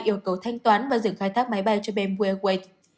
yêu cầu thanh toán và dừng khai thác máy bay cho bamboo airways